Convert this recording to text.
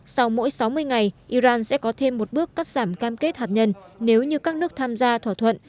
sau mỗi sáu mươi ngày iran sẽ có thêm một bước cắt giảm cam kết hạt nhân nếu như các nước tham gia thỏa thuận